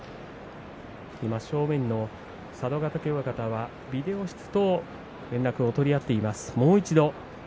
正面の佐渡ヶ嶽親方はビデオ室と連絡を取り合っています。